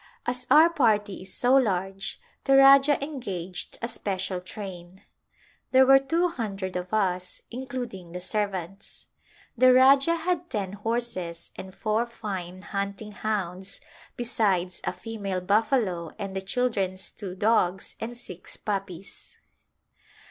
As our party is so large the Rajah engaged a special train. There were two hundred of us, including the servants. The Rajah had ten horses and four fine hunting hounds, besides a female buffalo and the children's two dogs and six puppies.